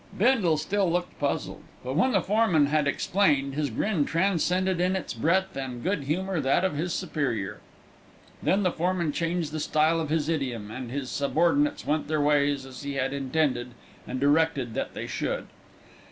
Bindle still looked puzzled; but when the foreman had explained his grin transcended in its breadth and good humour that of his superior. Then the foreman changed the style of his idiom, and his subordinates went their ways as he had intended and directed that they should.